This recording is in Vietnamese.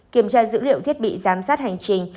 kiểm tra dữ liệu thiết bị giám sát hành trình